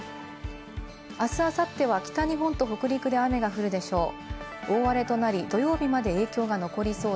あす、あさっては北日本と北陸で雨が降るでしょう。